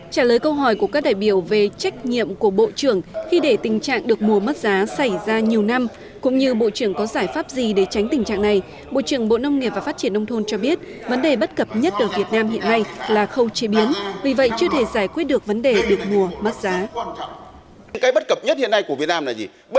trả lời câu hỏi của các đại biểu về trách nhiệm của bộ trưởng khi để tình trạng được mùa mất giá xảy ra nhiều năm cũng như bộ trưởng có giải pháp gì để tránh tình trạng này bộ trưởng bộ nông nghiệp và phát triển nông thôn cho biết vấn đề bất cập nhất ở việt nam hiện nay là khâu chế biến vì vậy chưa thể giải quyết được vấn đề được mua mất giá